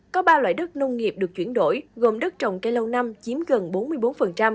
có ba loại đất nông nghiệp được chuyển đổi gồm đất trồng cây lâu năm chiếm gần bốn mươi bốn